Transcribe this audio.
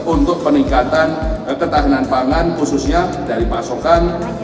untuk peningkatan ketahanan pangan khususnya dari pasokan